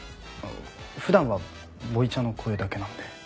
普段はボイチャの声だけなので。